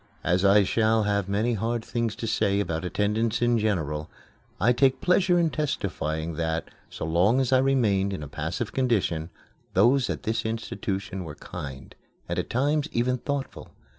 As I shall have many hard things to say about attendants in general, I take pleasure in testifying that, so long as I remained in a passive condition, those at this institution were kind, and at times even thoughtful.